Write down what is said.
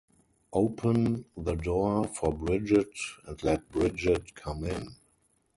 Open the door for Bridget and let Bridget come in.